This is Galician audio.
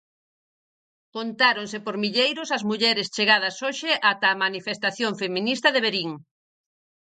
Contáronse por milleiros as mulleres chegadas hoxe ata a manifestación feminista de Verín.